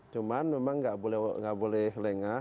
cuman memang nggak boleh lengah